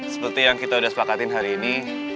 seperti yang kita sudah sepakatin hari ini